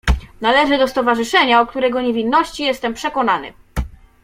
"Należę do stowarzyszenia, o którego niewinności jestem przekonany."